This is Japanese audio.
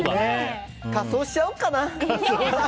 仮装しちゃおうかな！